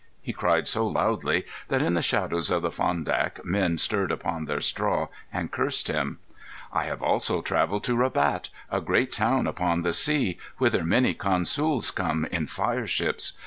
he cried so loudly that in the shadows of the Fondak men stirred upon their straw and cursed him. "I have also travelled to Rabat, a great town upon the sea, whither many consools come in fireships.